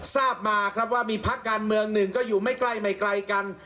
ทราบมาครับว่ามีพักการเมืองหนึ่งก็อยู่ไม่ใกล้ไม่ไกลกัน